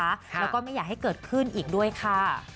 แล้วก็ไม่อยากให้เกิดขึ้นอีกด้วยค่ะ